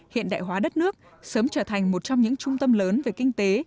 hiện đại hóa đất nước sớm trở thành một trong những trung tâm lớn về kinh tế